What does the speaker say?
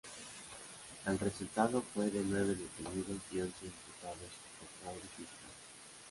El resultado fue de nueve detenidos y once imputados por fraude fiscal.